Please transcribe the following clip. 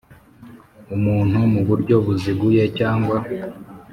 Umuntu mu buryo buziguye cyangwa